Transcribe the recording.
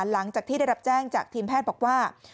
หลังจากที่ได้รับแจ้งจากทีมแพทย์บอกว่า